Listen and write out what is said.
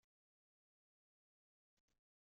Muqqel mennect i teẓẓa ɣefs.